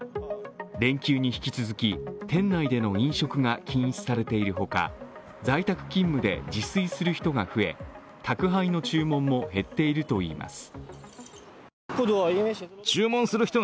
連休に引き続き、店内での飲食が禁止されているほか、在宅勤務で自炊する人が増え宅配の注文も減っているといいます。